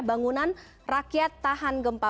bangunan rakyat tahan gempa